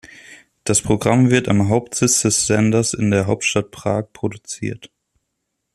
Das Programm wird am Hauptsitz des Senders in der Hauptstadt Prag produziert.